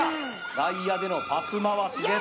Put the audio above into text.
外野でのパス回しです